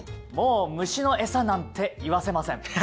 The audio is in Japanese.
もう虫のエサなんて言わせません。